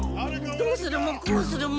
どうするもこうするも。